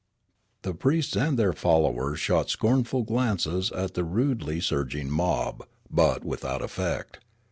The priests and their followers shot scornful glances at the rudely surging mob; but without effect.